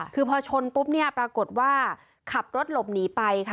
คือพอชนปุ๊บปรากฏว่าขับรถหลบหนีไป